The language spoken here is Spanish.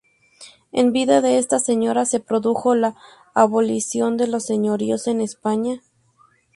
En vida de esta señora se produjo la abolición de los señoríos en España.